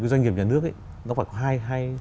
cái doanh nghiệp nhà nước ấy nó phải có hai